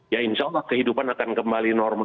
ya insya allah kehidupan akan kembali normal